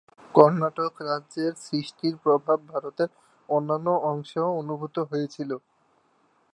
কর্ণাটক রাজ্যের সৃষ্টির প্রভাব ভারতের অন্যান্য অংশেও অনুভূত হয়েছিল।